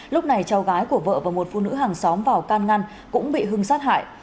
lúc này cháu gái của vợ và một phụ nữ hàng xóm vào can ngăn cũng bị hưng sát hại